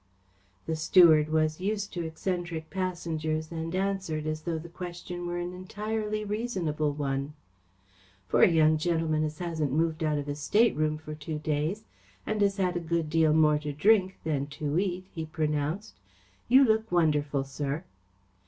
The steward was used to eccentric passengers and answered as though the question were an entirely reasonable one. "For a young gentleman as hasn't moved out of his stateroom for two days, and 'as had a good deal more to drink than to eat," he pronounced, "you look wonderful, sir."